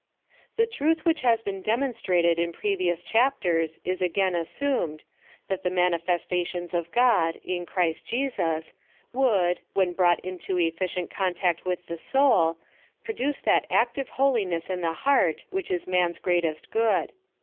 The truth which has been demonstrated in pre vious chapters is again assumed, that the manifesta tions of God, in Christ Jesus, would, when brought into efficient contact with the soul, produce that active holiness in the heart, which is man's greatest good.